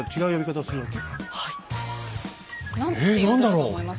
え何だろう？